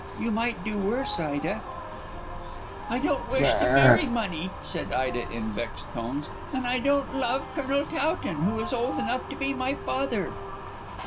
You might do worse, Ida." "I don't wish to marry money," said Ida in vexed tones; "and I don't love Colonel Towton, who is old enough to be my father."